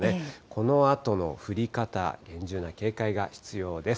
このあとの降り方、厳重な警戒が必要です。